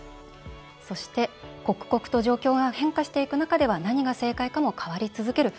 そして「刻々と状況が変化していく中では何が正解かも変わり続ける。